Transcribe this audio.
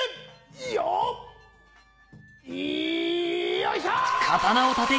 いよいしょ！